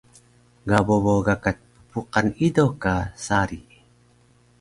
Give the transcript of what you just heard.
Ga bobo gakac ppuqan ido ka sari